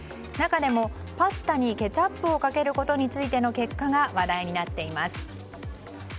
中でも、パスタにケチャップをかけることについての結果が話題になっています。